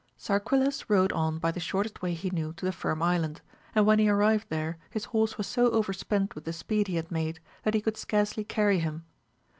Sarquiles rode on by the shortest way he knew to the Firm Island, and when he arrived there his horse was so overspent with the speed he had made that he could scarcely carry him.